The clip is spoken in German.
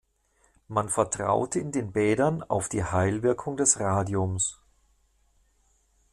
Man vertraute in den Bädern auf die Heilwirkung des Radiums.